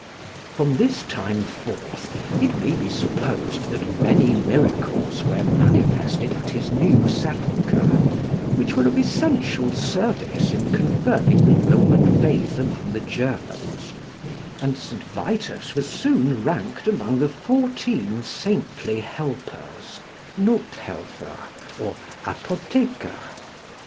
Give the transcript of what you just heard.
From this time forth it may be supposed that many miracles were manifested at his new sepulchre, which were of essential service in confirming the Roman faith among the Germans, and St. Vitus was soon ranked among the fourteen saintly helpers (Nothhelfer or Apotheker).